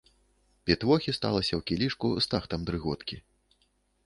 Пітво хісталася ў кілішку з тахтам дрыготкі.